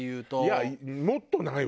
いやもっとないわよ。